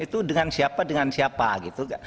itu dengan siapa dengan siapa gitu